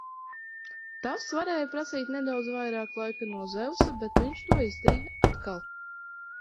Tas varēja prasīt nedaudz vairāk laika no Zeusa, bet viņš to izdarīja atkal!